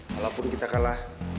walaupun kita kalah